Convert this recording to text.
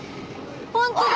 本当だ。